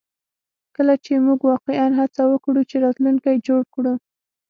کله چې موږ واقعیا هڅه وکړو چې راتلونکی جوړ کړو